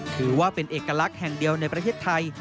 ถือว่าเป็นเอกลักษณ์แห่งเดียวในประเทศไทย